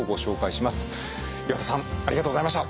岩田さんありがとうございました。